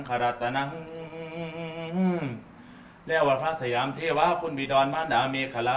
พูดถึงว่าเบิ่งแรมต้นก็มีไหว้คู่คือการ